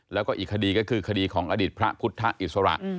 แล้วก็อีกคดีก็คือคดีของอดีตพระพุทธอิสระ